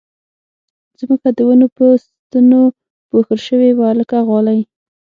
ځمکه د ونو په ستنو پوښل شوې وه لکه غالۍ